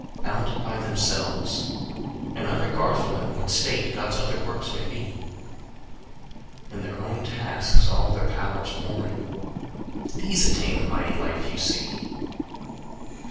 "Bounded by themselves, and unregardful 25 In what state God's other works may be, In their own tasks all their powers pouring, These attain the mighty life you see."